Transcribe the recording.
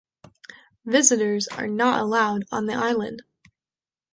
Visitors are not allowed on the island.